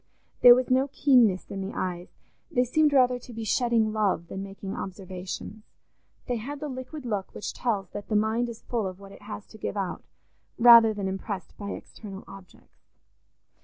There was no keenness in the eyes; they seemed rather to be shedding love than making observations; they had the liquid look which tells that the mind is full of what it has to give out, rather than impressed by external objects.